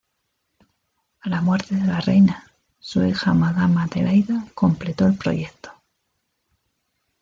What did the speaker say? A la muerte de la reina, su hija madame Adelaida completó el proyecto.